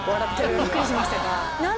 びっくりしましたが。